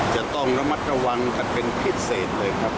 จะต้องระมัดระวังกันเป็นพิเศษเลยครับ